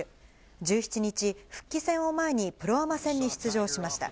１７日、復帰戦を前にプロアマ戦に出場しました。